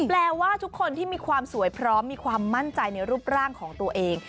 แปลว่าทุกคนที่มีความสวยพร้อมมีความมั่นใจในรูปร่างของตัวเอง